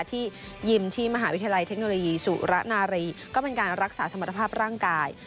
ที่ยิมที่มหาวิทยาลัยเทคโนโลยีสุระนารีก็เป็นการรักษาสมรรถภาพร่างกาย